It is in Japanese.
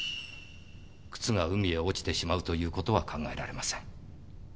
靴が海へ落ちてしまうということは考えられません。